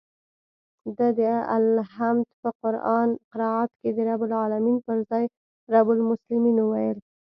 ده د الحمد په قرائت کښې د رب العلمين پر ځاى رب المسلمين وويل.